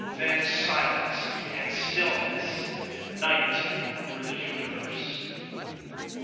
Then silence, and stillness, night were the universe.